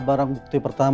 barang bukti pertandaan